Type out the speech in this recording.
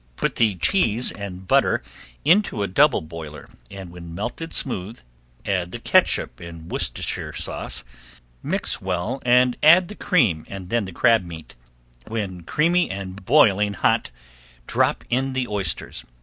Put the cheese and butter into a double boiler and when melted smooth add the catsup and Worcestershire sauce. Mix well and add the cream and then the crab meat. When creamy and boiling hot drop in the oysters.